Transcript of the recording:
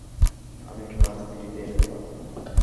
আমি ক্লাস থ্রিতে, দাদা!